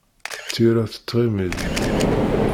Tira tettɣimi-d.